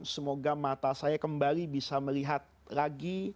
semoga mata saya kembali bisa melihat lagi